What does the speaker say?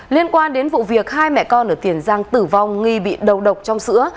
liên quan đến vụ việc hai mẹ con ở tiền giang tử vong nghi bị đầu độc trong sữa